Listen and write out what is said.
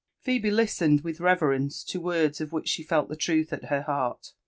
Phebe listeoed with revereoce to words of whidithe felt the ^utb at her heart.